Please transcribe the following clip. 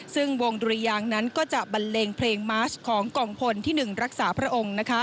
ซึ่งวงดุรยางนั้นก็จะบันเลงเพลงมาสของกองพลที่๑รักษาพระองค์